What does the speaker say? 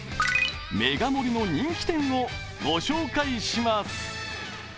メガ盛りの人気店をご紹介します。